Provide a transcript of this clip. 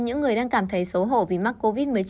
những người đang cảm thấy xấu hổ vì mắc covid một mươi chín